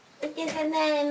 ただいま。